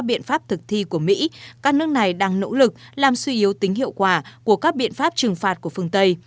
các biện pháp thực thi của mỹ các nước này đang nỗ lực làm suy yếu tính hiệu quả của các biện pháp trừng phạt của phương tây